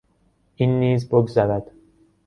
این نیز بگذرد.